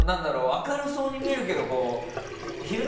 明るそうに見えるけど。